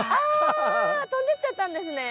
あ飛んでっちゃったんですね。